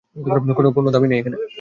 কোনো দাবি নেই।